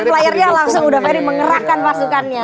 udaferi langsung udaferi mengerahkan pasukannya